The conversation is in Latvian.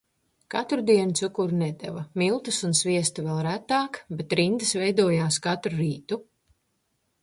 Katru dienu cukuru nedeva. Miltus un sviestu vēl retāk. Bet rindas veidojās katru rītu.